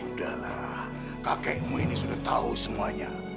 udahlah kakekmu ini sudah tahu semuanya